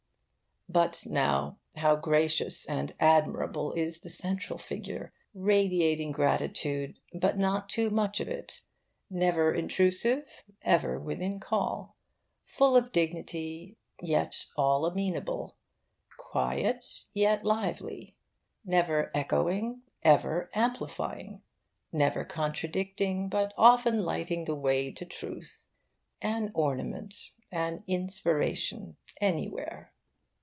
But now, how gracious and admirable is the central figure radiating gratitude, but not too much of it; never intrusive, ever within call; full of dignity, yet all amenable; quiet, yet lively; never echoing, ever amplifying; never contradicting, but often lighting the way to truth; an ornament, an inspiration, anywhere.